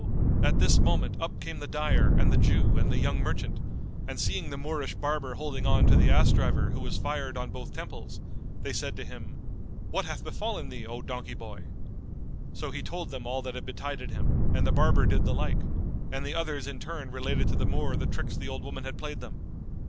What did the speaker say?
at this moment up came the dyer and the Jew and the young merchant, and seeing the Moorish barber holding on to the ass driver who was fired on both temples, they said to him, "What hath befallen thee, O donkey boy?" So he told them all that had betided him and the barber did the like; and the others in turn related to the Moor the tricks the old woman had played them.